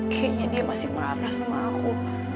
kayaknya dia masih marah sama aku